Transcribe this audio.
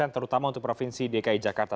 terutama untuk provinsi dki jakarta